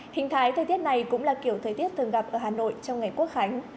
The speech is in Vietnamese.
hình thái thời tiết này cũng là kiểu thời tiết thường gặp ở hà nội trong ngày quốc khánh